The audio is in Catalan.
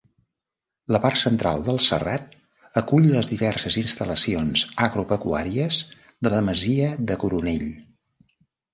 La part central del serrat acull les diverses instal·lacions agropecuàries de la masia de Coronell.